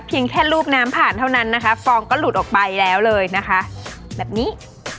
เพียงแค่รูปน้ำผ่านเท่านั้นนะคะฟองก็หลุดออกไปแล้วเลยนะคะแบบนี้